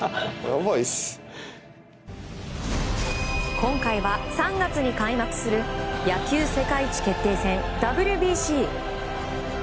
今回は、３月に開幕する野球世界一決定戦ＷＢＣ。